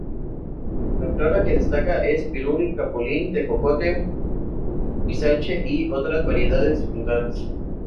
La flora que destaca es: pirul, capulín, tejocote, huizache y otras variedades frutales.